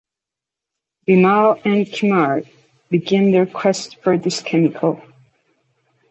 Bimal and Kumar begin their quest for this chemical.